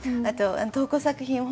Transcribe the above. あと投稿作品